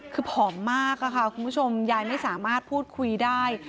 คือผอมมากค่ะคุณผู้ชมยายไม่สามารถพูดคุยได้